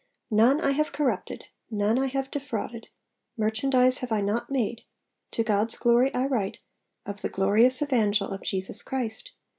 None I have corrupted; none I have defrauded; merchandise have I not made (to God's glory I write) of the glorious Evangel of Jesus Christ.